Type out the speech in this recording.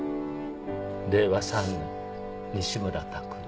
令和３年西村拓郎」